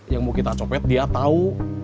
yang mau kita copet dia tahu